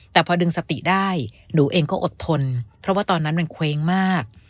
แต่พอดึงสติได้หนูเองก็อดทนเพราะว่าตอนนั้นมันเคว้งมาก